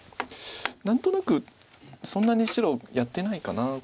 何となくそんなに白やってないかな